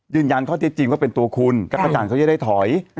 ยืนยันข้อเทียดจริงว่าเป็นตัวคุณการประจ่างเขาจะได้ถอย